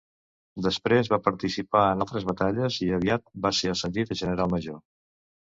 Després va participar en altres batalles i aviat va ser ascendit a general major.